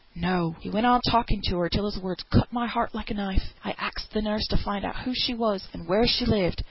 "No! he went on talking to her, till his words cut my heart like a knife. I axed th' nurse to find out who she was, and where she lived.